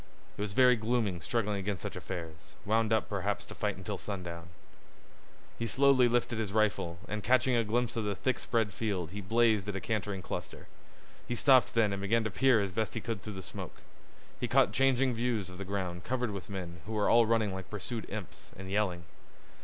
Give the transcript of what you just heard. It was very gloomy struggling against such affairs, wound up perhaps to fight until sundown. He slowly lifted his rifle and catching a glimpse of the thickspread field he blazed at a cantering cluster. He stopped then and began to peer as best as he could through the smoke. He caught changing views of the ground covered with men who were all running like pursued imps, and yelling.